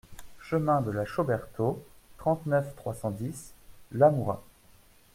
Chemin de la Chaux Berthod, trente-neuf, trois cent dix Lamoura